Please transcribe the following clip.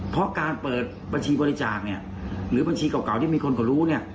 เพราะการเปิดบัญชีบริจาคเนี่ยหรือบัญชีเก่าที่มีคนเขารู้เนี่ย